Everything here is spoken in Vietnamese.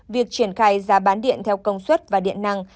việc triển khai giá bán điện theo công suất và điện năng